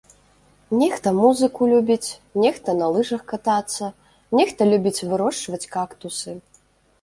Нехта музыку любіць, нехта на лыжах катацца, нехта любіць вырошчваць кактусы.